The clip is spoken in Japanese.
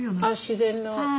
ああ自然の。